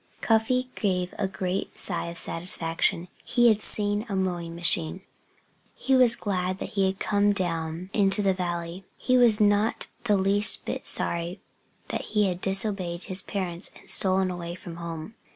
Cuffy gave a great sigh of satisfaction. He had seen a mowing machine. He was glad that he had come down into the valley. He was not the least bit sorry that he had disobeyed his parents and stolen away from home.